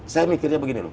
saya mikirnya begini loh